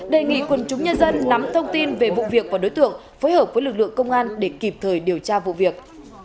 đề nghị quân chúng nhân dân nắm thông tin về vụ việc và đối tượng phối hợp với lực lượng công an để kịp thời điều tra vụ việc